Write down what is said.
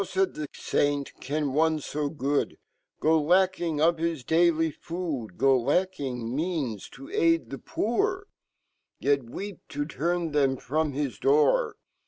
"Hw;"faid fhe Saint " can one/ fo good Go lacking of his daily food; GO 1 acking means to aid fhe poor, Yet weep toturnfhe/mfromhij door?